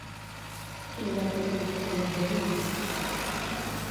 Quin lloc de culte famós hi havia?